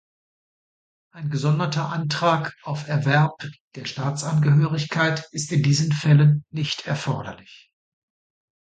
Ein gesonderter Antrag auf Erwerb der Staatsangehörigkeit ist in diesen Fällen nicht erforderlich.